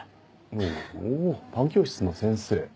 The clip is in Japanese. ほうパン教室の先生。